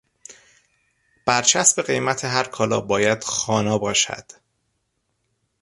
بر چسب قیمت هر کالا باید خوانا باشد.